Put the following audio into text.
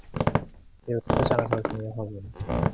그리고 뜻하지 않은 서울 손님이 휙 떠오른다.